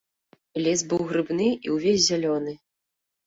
Лес быў грыбны і ўвесь зялёны.